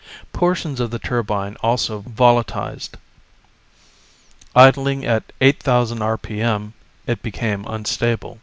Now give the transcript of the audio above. Portions of the turbine also volitized; idling at eight thousand RPM, it became unstable.